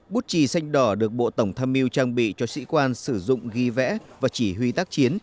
bút trì xanh đỏ được bộ tổng tham mưu trang bị cho sĩ quan sử dụng ghi vẽ và chỉ huy tác chiến